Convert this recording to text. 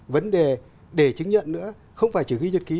vấn đề để chứng nhận nữa không phải chỉ ghi nhật ký